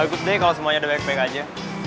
bagus deh kalau semuanya udah baik baik aja